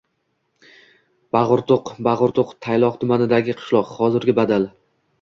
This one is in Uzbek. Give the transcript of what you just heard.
Bag‘urtoq, Bag‘urdoq - Tayloq tumanidagi qishloq. Hozirgi Badal.